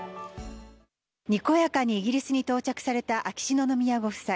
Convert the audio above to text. にこやかにイギリスに到着された秋篠宮ご夫妻。